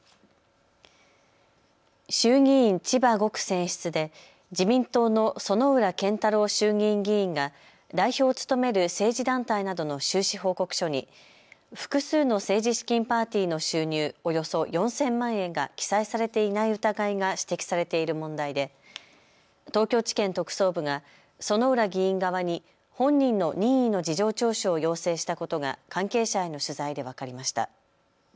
衆議院千葉５区選出で自民党の薗浦健太郎衆議院議員が代表を務める政治団体などの収支報告書に複数の政治資金パーティーの収入およそ４０００万円が記載されていない疑いが指摘されている問題で東京地検特捜部が薗浦議員側に本人の任意の事情聴取を要請したことが関係者への取材で分かりました。